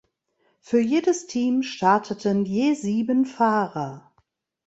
Für jedes Team starteten je sieben Fahrer.